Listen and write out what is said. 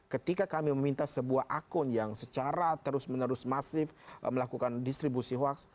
ketika kami meminta sebuah akun yang secara terus menerus masif melakukan distribusi hoax